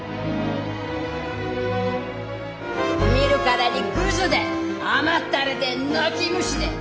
見るからにぐずで甘ったれで泣き虫で。